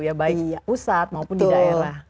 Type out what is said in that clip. ya baik pusat maupun di daerah